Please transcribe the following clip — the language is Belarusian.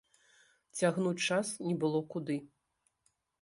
Цягнуць час не было куды.